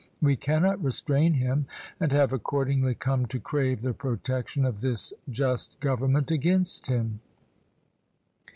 We cannot restrain him, and have accordingly come to crave the protection of this just government against him.